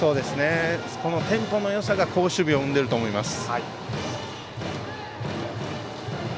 このテンポのよさが好守備を生んでいると思います。